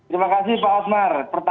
terima kasih pak hotmar